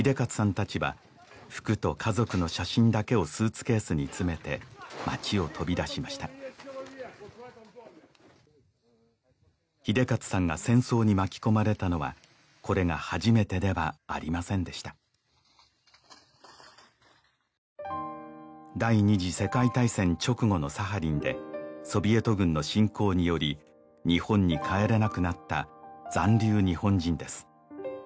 達は服と家族の写真だけをスーツケースに詰めて町を飛び出しました英捷さんが戦争に巻き込まれたのはこれが初めてではありませんでした第二次世界大戦直後のサハリンでソビエト軍の侵攻により日本に帰れなくなった残留日本人です